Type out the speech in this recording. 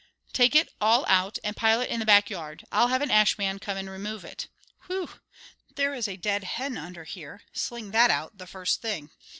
"Take it all out and pile it in the back yard. I'll have an ashman come and remove it. Whew! there is a dead hen under here; sling that out the first thing."